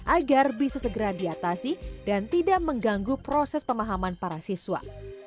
agar bisa segera diatasi dan tidak mengganggu proses pemahaman para siswa